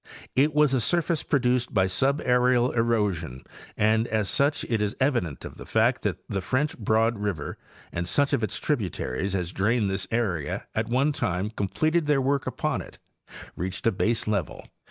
It was a surface produced by subaérial erosion, and as such it is evidence of the fact that the French Broad river and such of its tributaries as drain this area at one time com pleted their work upon it, reached a baselevel.